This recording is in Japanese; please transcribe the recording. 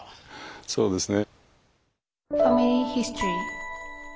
そうですね。